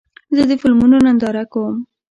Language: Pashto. زه د فلمونو ننداره کوم.